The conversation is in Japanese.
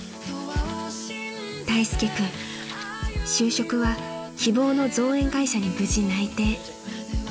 ［大介君就職は希望の造園会社に無事内定］